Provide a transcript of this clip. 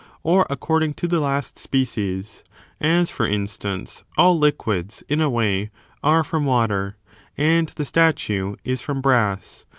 Or according to the last species : as, for instance, all liquids, in a way, are from water, and the statue is from brass.